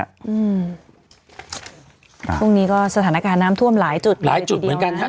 ช่วงนี้ก็สถานการณ์น้ำท่วมหลายจุดหลายจุดเหมือนกันฮะ